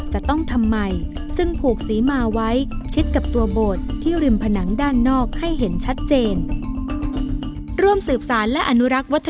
จะต้องทำไมจึงผูกสีมาไว้ชิดกับตัวโบสถ์ที่ริมผนังด้านนอกให้เห็นชัดเจน